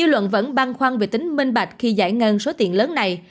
dư luận vẫn băn khoăn về tính minh bạch khi giải ngân số tiền lớn này